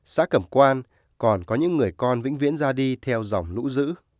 xã cẩm quan còn có những người con vĩnh viễn ra đi theo dòng lũ dữ